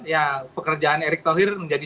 ya pekerjaan erick thohir menjadi